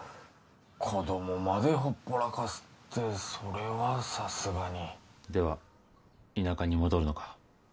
子供までほっぽらかすってそれはさすがにでは田舎に戻るのか？